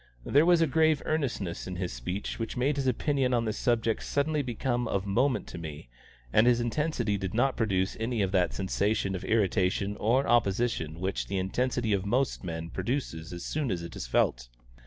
There was a grave earnestness in his speech which made his opinion on this subject suddenly become of moment to me, and his intensity did not produce any of that sensation of irritation or opposition which the intensity of most men produces as soon as it is felt.